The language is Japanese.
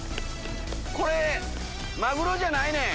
これマグロじゃないねん。